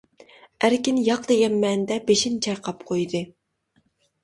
ئەركىن ياق دېگەن مەنىدە بېشىنى چايقاپ قويدى.